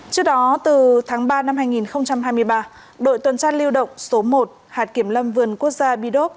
trước đó từ tháng ba năm hai nghìn hai mươi ba đội tuần tra lưu động số một hạt kiểm lâm vườn quốc gia bi đốp